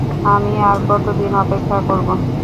আমি আর কতদিন অপেক্ষা করবো?